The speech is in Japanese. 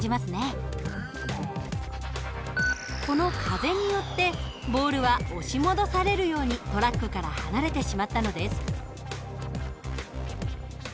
この風によってボールは押し戻されるようにトラックから離れてしまったのです。